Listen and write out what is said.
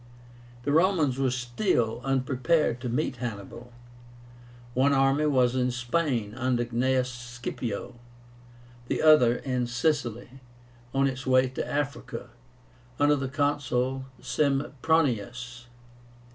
The Romans were still unprepared to meet Hannibal. One army was in Spain under Gnaeus Scipio; the other in Sicily, on its way to Africa, under the Consul Sempronius.